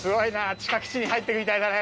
地下基地に入っていくみたいだね。